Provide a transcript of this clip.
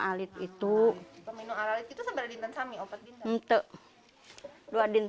saya bisa menenun dengan dua